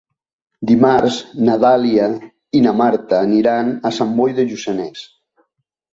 Dimarts na Dàlia i na Marta aniran a Sant Boi de Lluçanès.